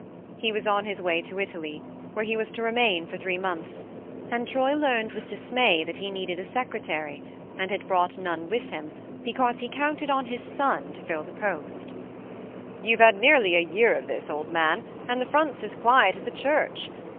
He was on his way to Italy, where he was to remain for three months, and Troy learned with dismay that he needed a secretary, and had brought none with him because he counted on his son to fill the post " You've had nearly a year of this, old man, and the front's as quiet as a church.